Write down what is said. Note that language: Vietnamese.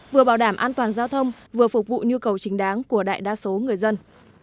vừa bảo đảm an toàn giao thông vừa phục vụ nhu cầu chính đáng của đại đa số người dân